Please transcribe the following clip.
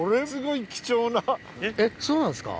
えっそうなんですか？